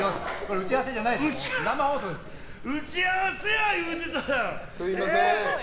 打ち合わせや言うてたやん！